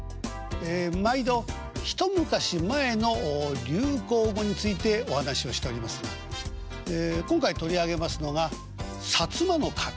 ええ毎度一昔前の流行語についてお話をしておりますが今回取り上げますのが「摩守」。